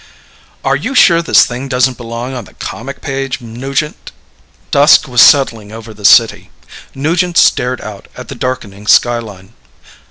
"Are you sure this doesn't belong on the comic page, Nugent?" Dusk was settling over the city. Nugent stared out at the darkening skyline.